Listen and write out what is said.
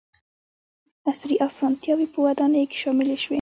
• عصري اسانتیاوې په ودانیو کې شاملې شوې.